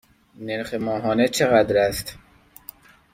نرخ ماهانه چقدر است؟